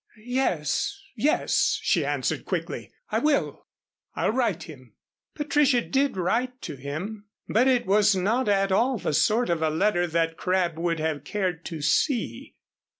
"Yes yes," she answered, quickly, "I will I'll write him." Patricia did write to him. But it was not at all the sort of a letter that Crabb would have cared to see.